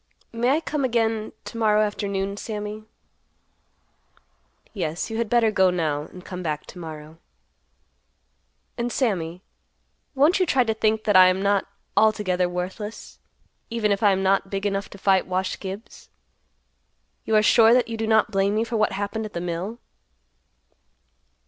"May I come again to morrow afternoon, Sammy?" "Yes, you had better go now, and come back to morrow." "And Sammy, won't you try to think that I am not altogether worthless, even if I am not big enough to fight Wash Gibbs? You are sure that you do not blame me for what happened at the mill?"